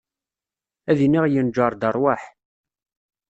Ad iniɣ yenjer-d rwaḥ.